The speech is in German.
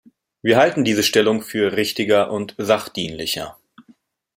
Wir halten diese Stellung für richtiger und sachdienlicher.